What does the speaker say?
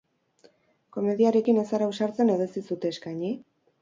Komediarekin ez zara ausartzen edo ez dizute eskaini?